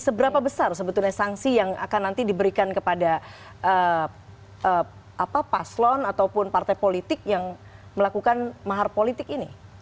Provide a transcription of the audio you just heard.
seberapa besar sebetulnya sanksi yang akan nanti diberikan kepada paslon ataupun partai politik yang melakukan mahar politik ini